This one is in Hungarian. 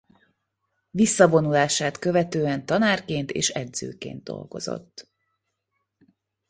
Visszavonulását követően tanárként és edzőként dolgozott.